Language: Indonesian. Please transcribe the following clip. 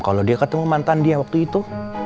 kalau dia ketemu mantan dia waktu itu